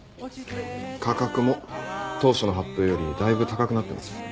価格も当初の発表よりだいぶ高くなってます。